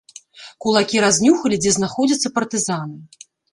Кулакі разнюхалі, дзе знаходзяцца партызаны.